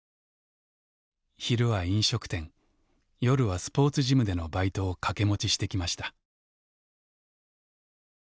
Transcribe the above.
昼は飲食店夜はスポーツジムでのバイトを掛け持ちしてきました。